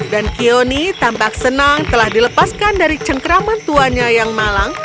dan qioni tampak senang telah dilepaskan dari cengkeraman tuannya yang malang